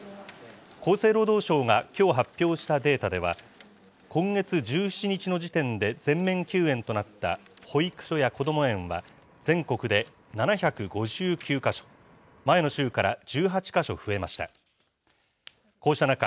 厚生労働省がきょう発表したデータでは、今月１７日の時点で全面休園となった保育所やこども園は、全国で７５９か所、前の週から１８か所増えました。